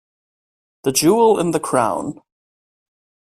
The jewel in the crown.